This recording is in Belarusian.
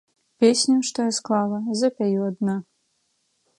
Песню, што я склала, запяю адна.